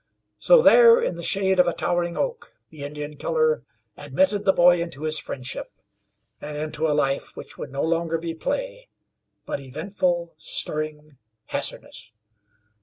So there, in the shade of a towering oak, the Indian killer admitted the boy into his friendship, and into a life which would no longer be play, but eventful, stirring, hazardous.